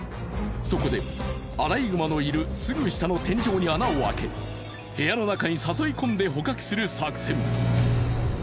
そこでアライグマにいるすぐ下の天井に穴を開け部屋の中に誘い込んで捕獲する作戦。